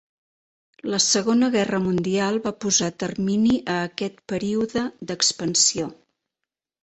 La Segona Guerra Mundial va posar termini a aquest període d'expansió.